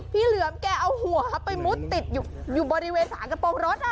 เหลือมแกเอาหัวไปมุดติดอยู่บริเวณสารกระโปรงรถ